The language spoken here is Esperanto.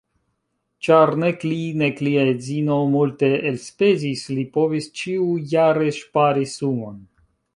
Ĉar nek li, nek lia edzino multe elspezis, li povis ĉiujare ŝpari sumon.